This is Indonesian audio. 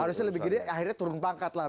harusnya lebih gede akhirnya turun pangkat lah